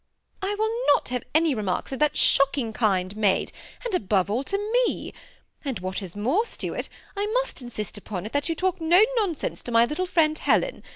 ^ I will not have any remarks of that shocking kind made, and above all to me ; and, what is more, Stuart, I must insist upon it that you talk no nonsense to my little friend Helen.